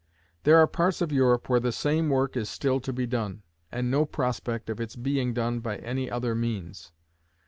There are parts of Europe where the same work is still to be done, and no prospect of its being done by any other means.